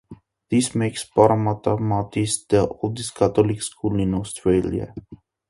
This makes Parramatta Marist the oldest Catholic school in Australia.